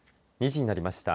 ２時になりました。